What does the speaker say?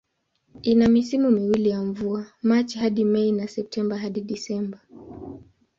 Ina misimu miwili ya mvua, Machi hadi Mei na Septemba hadi Disemba.